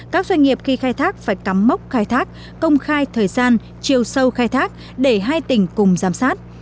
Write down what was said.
các doanh nghiệp khi khai thác phải cắm mốc khai thác công khai thời gian chiều sâu khai thác để hai tỉnh cùng giám sát